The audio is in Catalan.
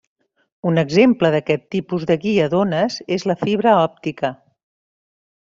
Un exemple d'aquest tipus de guia d'ones és la fibra òptica.